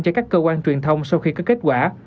cho các cơ quan truyền thông sau khi có kết quả